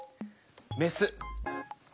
メス。